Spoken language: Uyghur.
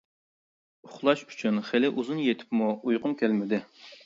ئۇخلاش ئۈچۈن خېلى ئۇزۇن يېتىپمۇ ئۇيقۇم كەلمىدى.